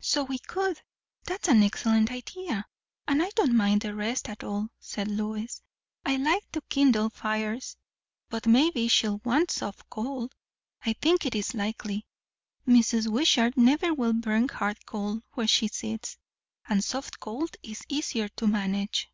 "So we could; that's an excellent idea; and I don't mind the rest at all," said Lois. "I like to kindle fires. But maybe she'll want soft coal. I think it is likely. Mrs. Wishart never will burn hard coal where she sits. And soft coal is easier to manage."